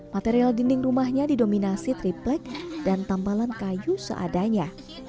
material dinding rumahnya didominasi triplek dan tampalan kayu seadanya